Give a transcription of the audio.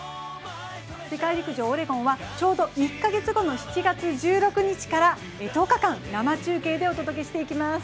世界陸上オレゴンはちょうど１カ月後の７月１６日から１０日間生中継でお届けしていきます。